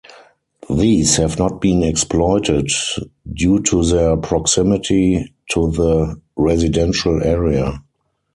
These have not been exploited, due to their proximity to the residential area.